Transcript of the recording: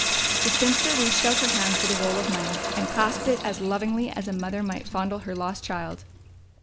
The spinster reached out her hand for the roll of money and clasped it as lovingly as a mother might fondle her lost child.